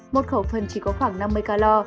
một khẩu phần chỉ có khoảng năm mươi cal